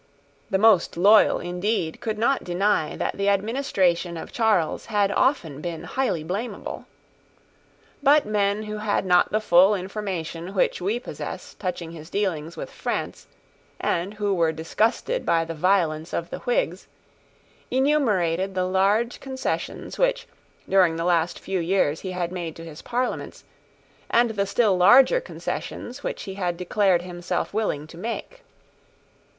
The most loyal, indeed, could not deny that the administration of Charles had often been highly blamable. But men who had not the full information which we possess touching his dealings with France, and who were disgusted by the violence of the Whigs, enumerated the large concessions which, during the last few years he had made to his Parliaments, and the still larger concessions which he had declared himself willing to make.